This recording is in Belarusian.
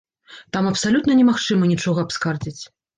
Там абсалютна немагчыма нічога абскардзіць.